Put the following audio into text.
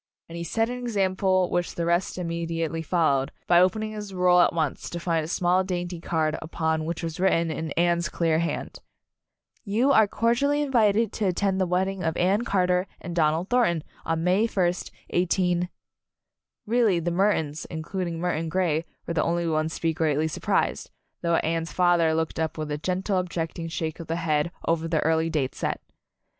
And he set an example which the rest im mediately followed, by opening his roll at once, to find a small, dainty card upon which was written in Anne's clear hand : "You are cordially invited to attend the wedding of Anne Carter and Donald Thornton on May first, 18 Really the Murtons, including Murton Grey, were the only ones to be greatly surprised, though Anne's father looked up with a gentle objecting shake of the head over the early date set.